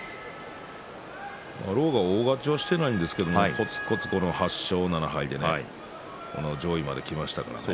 狼雅は大勝ちはしていないんですけれどもこつこつと８勝７敗で上位までできましたからね。